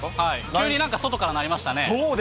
急に外からになりましたね。